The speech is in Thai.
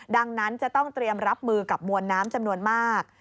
ดังนั้นจะต้องเตรียมรับมือกับมวลน้ำจำนวนมาก